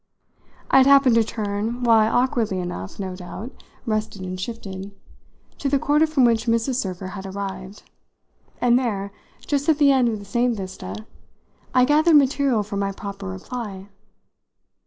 I had happened to turn, while I awkwardly enough, no doubt, rested and shifted, to the quarter from which Mrs. Server had arrived; and there, just at the end of the same vista, I gathered material for my proper reply.